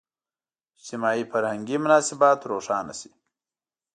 اجتماعي – فرهنګي مناسبات روښانه شي.